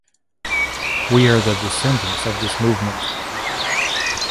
We are the descendants of this movement.